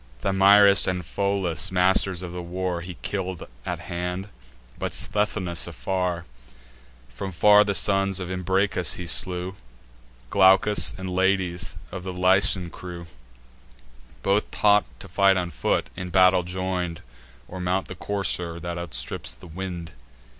Thamyris and Pholus, masters of the war, He kill'd at hand, but Sthenelus afar: From far the sons of Imbracus he slew, Glaucus and Lades, of the Lycian crew; Both taught to fight on foot, in battle join'd, Or mount the courser that outstrips the wind.